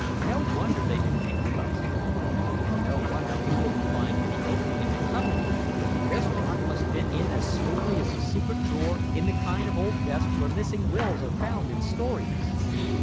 No wonder they didn't make a fuss. "And no wonder we couldn't find any opening in the tunnel roof. This rock must fit in as smoothly as a secret drawer in the kind of old desk where missing wills are found in stories."